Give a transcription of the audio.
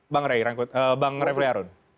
bang refli harun